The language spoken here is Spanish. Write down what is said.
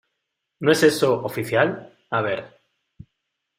no es eso, oficial. a ver .